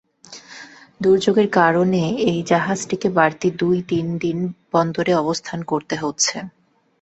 দুর্যোগের কারণে এই জাহাজটিকে বাড়তি দুই তিন দিন বন্দরে অবস্থান করতে হচ্ছে।